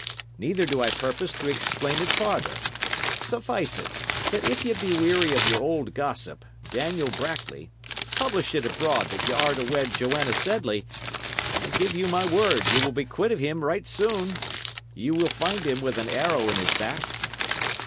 Neither do I purpose to explain it farther. Suffice it, that if ye be weary of your old gossip, Daniel Brackley, publish it abroad that y' are to wed Joanna Sedley, and I give you my word ye will be quit of him right soon. Ye will find him with an arrow in his back."